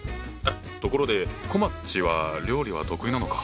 ところでこまっちは料理は得意なのか？